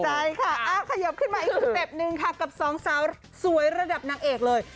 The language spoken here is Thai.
ใช่ค่ะขยบขึ้นมาอีกสเต็ปหนึ่งค่ะกับสองสาวสวยระดับนางเอกเลย